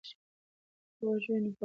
که غږ وي نو خبر نه پاتیږي.